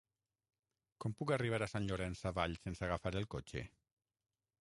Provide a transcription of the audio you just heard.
Com puc arribar a Sant Llorenç Savall sense agafar el cotxe?